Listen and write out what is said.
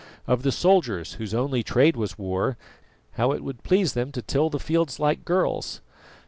Of the soldiers, whose only trade was war, how it would please them to till the fields like girls?